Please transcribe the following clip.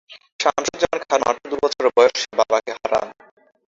শামসুজ্জামান খান মাত্র দুবছর বয়সে বাবাকে হারান।